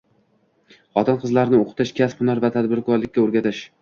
Xotin-qizlarni o‘qitish, kasb-hunar va tadbirkorlikka o‘rgatish